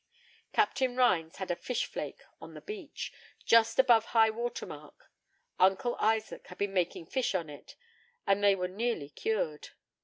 Captain Rhines had a fish flake on the beach, just above high water mark. Uncle Isaac had been making fish on it, and they were nearly cured.